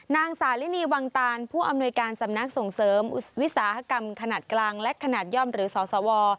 นางสาลินีวังตานผู้อำนวยการสำนักส่งเสริมวิสาหกรรมขนาดกลางและขนาดย่อมหรือสสว